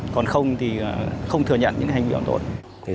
còn không thì không thừa nhận những hành vi phạm tội